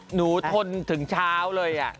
ทนถึงเช้าเลย